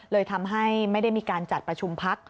เลยทำให้ไม่ได้มีการจัดประชุมพัก